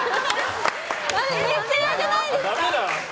めっちゃ嫌じゃないですか？